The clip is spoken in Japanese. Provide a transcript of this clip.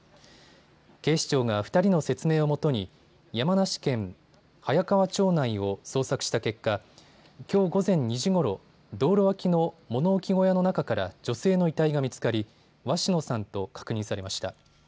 警視庁が２人の説明をもとに山梨県早川町内を捜索した結果きょう午前２時ごろ、道路脇の物置小屋の中から女性の遺体が見つかり鷲野さんと確認されました。